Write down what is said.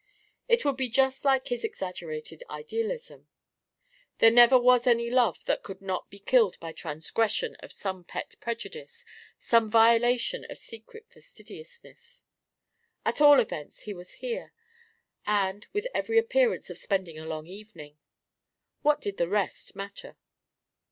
It would be just like his exaggerated idealism. There never was any love that could not be killed by transgression of some pet prejudice, some violation of secret fastidiousness. At all events, he was here and with every appearance of spending a long evening. What did the rest matter?